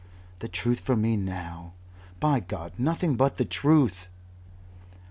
The Truth for me now. By God! nothing but the Truth!"